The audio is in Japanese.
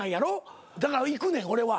だから行くねん俺は。